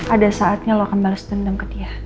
ada saatnya lo akan bales dendam ke dia